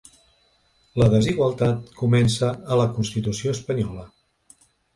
La desigualtat comença a la constitució espanyola.